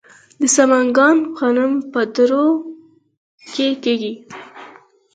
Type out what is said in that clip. د سمنګان غنم په درو کې کیږي.